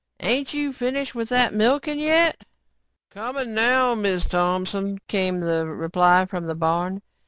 "Ain't you finished with that milking yet?" "Comin' now, Miz Thompson," came the reply from the barn.